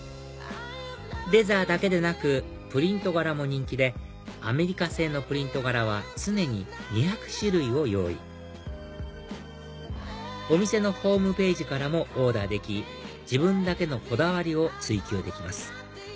レザーだけでなくプリント柄も人気でアメリカ製のプリント柄は常に２００種類を用意お店のホームページからもオーダーでき自分だけのこだわりを追求できます